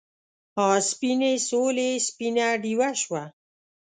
آ سپینې سولې سپینه ډیوه شه